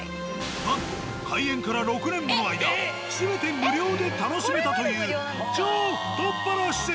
なんと開園から６年もの間全て無料で楽しめたという超太っ腹施設。